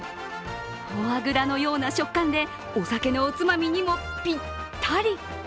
フォアグラのような食感で、お酒のおつまみにもピッタリ。